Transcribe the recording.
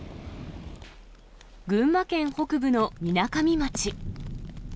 群馬県北部のみなかみ町。